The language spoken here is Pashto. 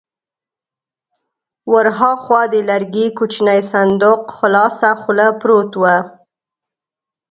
ور هاخوا د لرګي کوچينی صندوق خلاصه خوله پروت و.